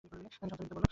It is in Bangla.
তাকে সব ছেড়ে দিতে বল।